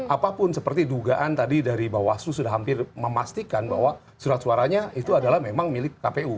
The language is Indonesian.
apapun seperti dugaan tadi dari bawaslu sudah hampir memastikan bahwa surat suaranya itu adalah memang milik kpu